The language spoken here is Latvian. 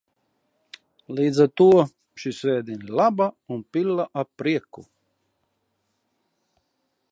Līdz ar to, šī svētdiena ir laba un pilna ar prieku.